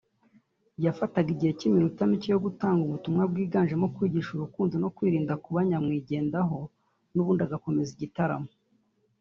yafataga iminota mike agatanga ubutumwa bwiganjemo kwigisha ‘urukundo no kwirinda kuba nyamwigendaho’ ubundi agakomeza igitaramo